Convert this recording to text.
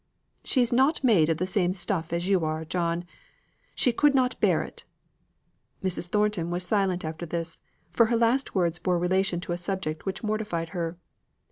"She is not made of the same stuff as you are, John. She could not bear it." Mrs. Thornton was silent after this; for her last words bore relation to a subject which mortified her.